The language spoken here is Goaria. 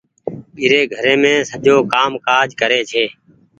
ٻيري گهريم سجو ڪآم ڪآج ڪري ڇي۔